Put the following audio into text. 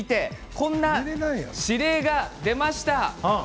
こんな指令が出ました。